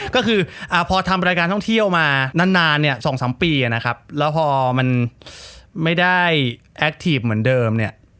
ก็คือพอทำรายการท่องเที่ยวมานานเนี่ย๒๓ปีนะครับแล้วพอมันไม่ได้แอคทีฟเหมือนเดิมเนี่ย